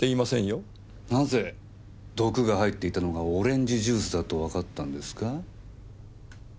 なぜ毒が入っていたのがオレンジジュースだとわかったんですか？